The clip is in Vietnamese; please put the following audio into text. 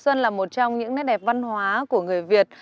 xuân là một trong những nét đẹp văn hóa của người việt